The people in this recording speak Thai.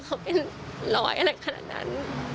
เขาเป็นร้อยอะไรขนาดนั้น